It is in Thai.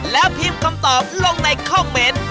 แล้วพิมพ์คำตอบลงในคอมเมนต์